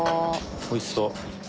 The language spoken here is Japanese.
おいしそう。